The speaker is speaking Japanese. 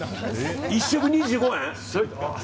１食２５円？